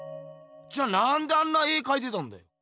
じゃあなんであんな絵かいたんだ？